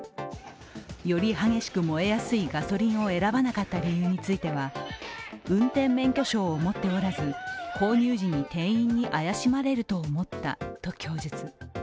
より激しく燃えやすいガソリンを選ばなかった理由については運転免許証を持っておらず購入時に店員に怪しまれると思ったと供述。